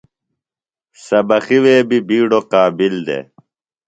سبقی وے بیۡ بِیڈوۡ قابل دےۡ۔